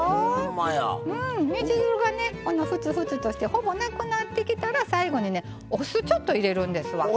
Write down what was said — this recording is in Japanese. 煮汁が、ふつふつとしてほぼなくなってきたら最後にお酢ちょっと入れるんですわ。